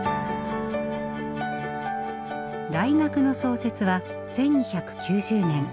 大学の創設は１２９０年。